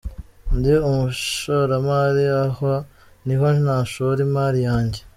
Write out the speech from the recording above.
Ndi umushoramari aha niho nashora imari yanjye.